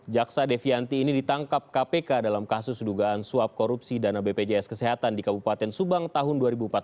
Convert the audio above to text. jaksa devianti ini ditangkap kpk dalam kasus dugaan suap korupsi dana bpjs kesehatan di kabupaten subang tahun dua ribu empat belas